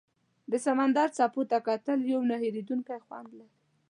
د سمندر څپو ته کتل یو نه هېریدونکی خوند لري.